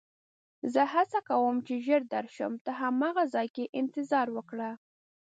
زه هڅه کوم چې ژر درشم، ته هماغه ځای کې انتظار وکړه.